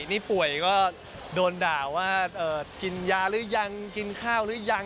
นี่ป่วยก็โดนด่าว่ากินยาหรือยังกินข้าวหรือยัง